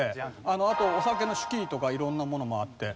あとお酒の酒器とか色んなものもあって。